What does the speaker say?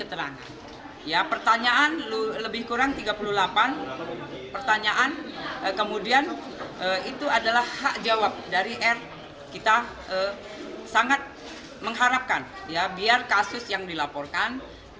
serta kedua orang tua korban